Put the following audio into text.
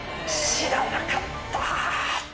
知らなかった！